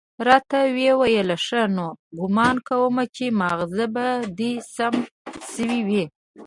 راته ويې ويل ښه نو ګومان کوم چې ماغزه به دې سم شوي وي.